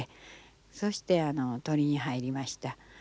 そして取りに入りました。